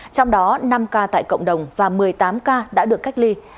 trong đó năm ca tại cộng đồng và một mươi tám ca đã được cách ly